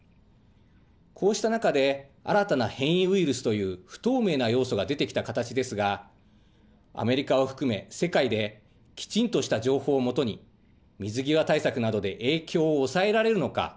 こうした中で、新たな変異ウイルスという不透明な要素が出てきた形ですが、アメリカを含め、世界できちんとした情報をもとに、水際対策などで影響を抑えられるのか。